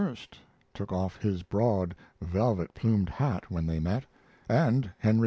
took off his broad, velvet plumed hat when they met, and Henry II.